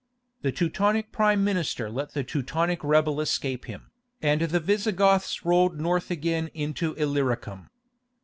The Teutonic prime minister let the Teutonic rebel escape him, and the Visigoths rolled north again into Illyricum.